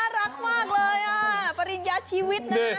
น่ารักมากเลยปริญญาชีวิต